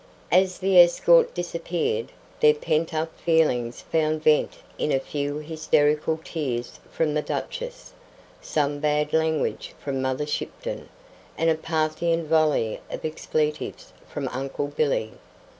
As the escort disappeared, their pent up feelings found vent in a few hysterical tears from the Duchess, some bad language from Mother Shipton, and a Parthian volley of expletives from Uncle Billy.